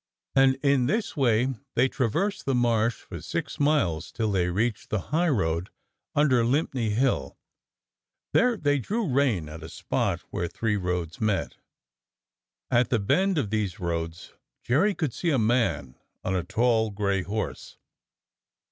And in this way they traversed the Marsh for six miles till they reached the highroad under Lympne Hill. There they drew rein at a spot where three roads met. At the bend of these roads Jerry could see a man on a tall gray horse.